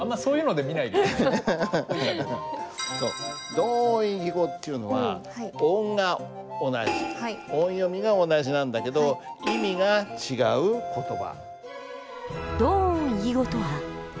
同音異義語っていうのは音が同じ音読みが同じなんだけど意味が違う言葉。